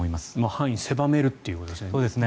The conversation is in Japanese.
範囲を狭めるということですね。